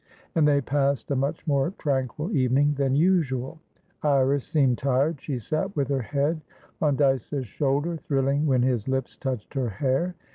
And they passed a much more tranquil evening than usual. Iris seemed tired; she sat with her head on Dyce's shoulder, thrilling when his lips touched her hair.